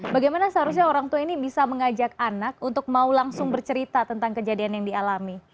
bagaimana seharusnya orang tua ini bisa mengajak anak untuk mau langsung bercerita tentang kejadian yang dialami